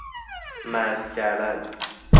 مدح کردن